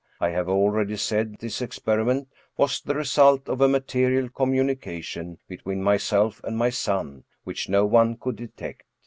I have already said this experiment was the result of a material communication between my self and my son which no one could detect.